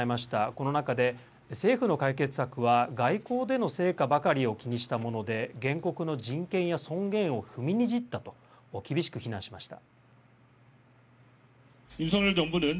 この中で、政府の解決策は外交での成果ばかりを気にしたもので、原告の人権や尊厳を踏みにじったと、厳しく非難しました。